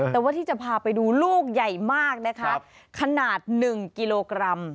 แต่ว่าที่จะพาไปดูลูกใหญ่มากนะคะขนาด๑กิโลกรัม